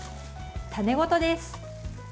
種ごとです。